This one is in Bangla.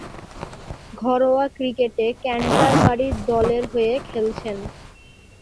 ঘরোয়া ক্রিকেটে ক্যান্টারবারি দলের হয়ে খেলছেন।